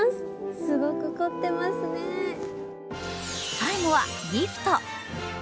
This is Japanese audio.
最後はギフト。